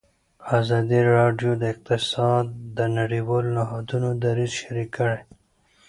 ازادي راډیو د اقتصاد د نړیوالو نهادونو دریځ شریک کړی.